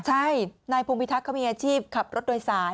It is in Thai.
ใช่นายพงพิทักษ์เขามีอาชีพขับรถโดยสาร